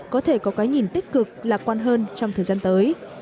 có thể có cái nhìn tích cực lạc quan hơn trong thời gian tới